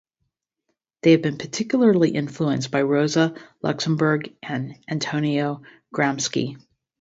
They have been particularly influenced by Rosa Luxemburg and Antonio Gramsci.